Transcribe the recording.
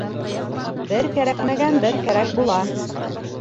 Бер кәрәкмәгән бер кәрәк була.